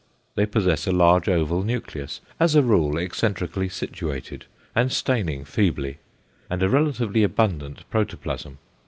They possess a large oval nucleus, as a rule eccentrically situated and staining feebly, and a relatively abundant protoplasm.